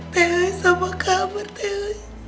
t e i s apa kabar t e i s